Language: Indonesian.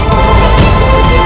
dari awan hitam